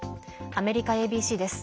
アメリカＡＢＣです。